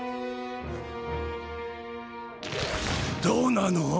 どうなの？